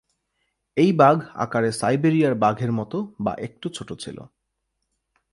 এই বাঘ আকারে সাইবেরিয়ার বাঘ এর মত বা একটু ছোট ছিল।